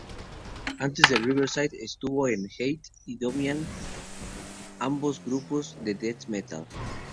Antes de Riverside estuvo en "Hate" y "Domain", ambos grupos de death metal.